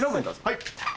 はい！